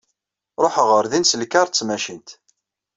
Ruḥeɣ ɣer din s lkaṛ d tmacint.